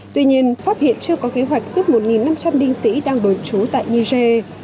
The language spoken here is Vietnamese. tuy nhiên pháp hiện chưa có kế hoạch giúp một năm trăm linh binh sĩ đang đồn trú tại niger